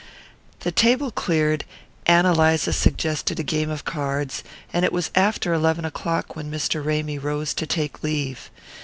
The table cleared, Ann Eliza suggested a game of cards; and it was after eleven o'clock when Mr. Ramy rose to take leave.